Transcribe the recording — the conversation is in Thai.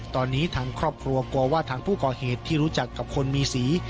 ตอนนี้ทางครอบครัวกลัวว่าทางผู้ก่อเหตุที่รู้จักกับคนมีสี